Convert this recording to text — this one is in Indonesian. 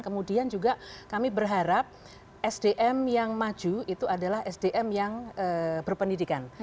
kemudian juga kami berharap sdm yang maju itu adalah sdm yang berpendidikan